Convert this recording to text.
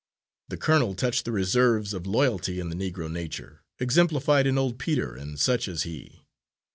The colonel touched the reserves of loyalty in the Negro nature, exemplified in old Peter and such as he.